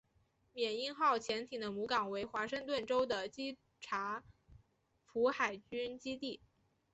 缅因号潜艇的母港为华盛顿州的基察普海军基地。